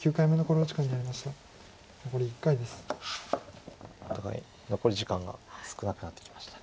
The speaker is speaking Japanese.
お互い残り時間が少なくなってきました。